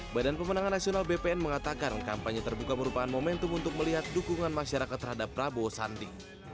badan pemenangan nasional bpn mengatakan kampanye terbuka merupakan momentum untuk melihat dukungan masyarakat terhadap prabowo sandi